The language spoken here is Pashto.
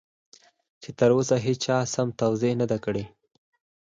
چې تر اوسه هېچا سم توضيح کړی نه دی.